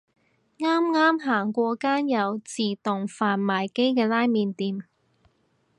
啱啱行過間有自動販賣機嘅拉麵店